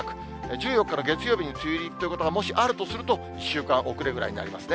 １４日の月曜日に梅雨入りということがもしあるとすると、１週間遅れぐらいになりますね。